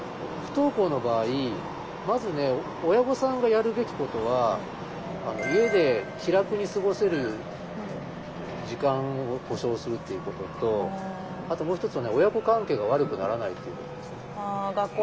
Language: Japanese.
不登校の場合まずね親御さんがやるべきことは家で気楽に過ごせる時間を保障するっていうこととあともう一つは親子関係が悪くならないっていうことですね。